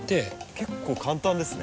結構簡単ですね。